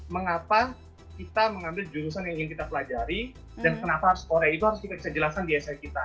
mengapa kita mengambil jurusan yang ingin kita pelajari dan kenapa harus korea itu harus kita bisa jelaskan di sn kita